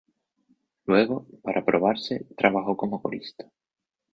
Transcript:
Luego, para probarse, trabajó como corista.